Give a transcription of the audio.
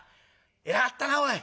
偉かったなおい。